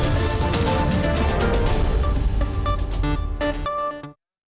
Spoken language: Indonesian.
oke ini sekarang kita mulai